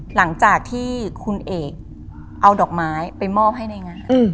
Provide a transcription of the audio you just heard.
หลังจากที่คุณเอกเอาดอกไม้ไปมอบให้ในงาน